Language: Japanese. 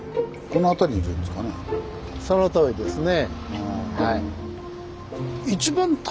そのとおりですね。